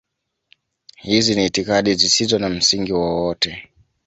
Hizi ni itikadi zisizo na msingi wowote.